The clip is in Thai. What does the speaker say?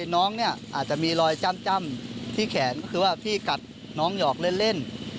น้องเนี่ยอาจจะมีรอยจ้ำที่แขนก็คือว่าพี่กัดน้องหยอกเล่น